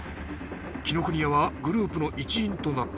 紀ノ国屋はグループの一員となった